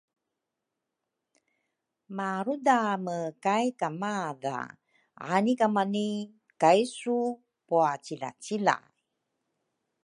marudame kay kamadha anikamani kaisu puaaciacilay.